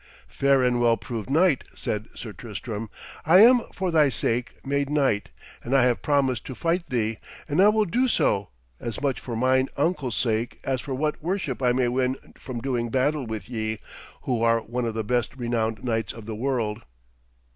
'Fair and well proved knight,' said Sir Tristram, 'I am for thy sake made knight, and I have promised to fight thee, and I will do so, as much for mine uncle's sake as for what worship I may win from doing battle with ye, who are one of the best renowned knights of the world.'